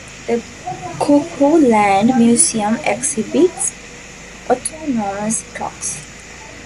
The Cuckooland Museum exhibits autonomous clocks.